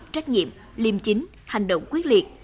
trách nhiệm liêm chính hành động quyết liệt